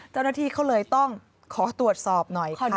เจ้าหน้าที่เขาเลยต้องขอตรวจสอบหน่อย